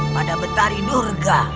pada betari nurga